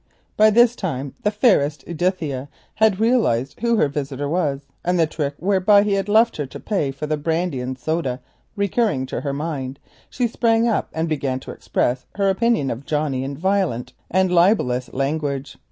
By this time the fairest Edithia had realised who her visitor was, and the trick whereby he had left her to pay for the brandy and soda recurring to her mind she sprang up and began to express her opinion of Johnnie in violent and libellous language.